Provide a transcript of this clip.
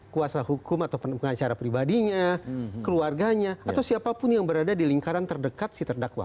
kuasa hukum atau pengacara pribadinya keluarganya atau siapapun yang berada di lingkaran terdekat si terdakwa